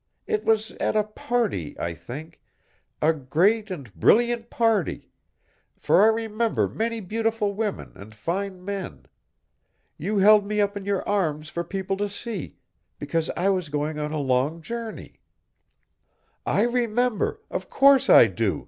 It was at a party, I think, a great and brilliant party, for I remember many beautiful women and fine men. You held me up in your arms for people to see, because I was going on a long journey." "I remember, of course I do!"